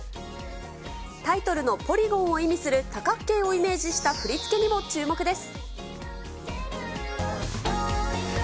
タイトルのポリゴンを意味する多角形をイメージした振り付けにも注目です。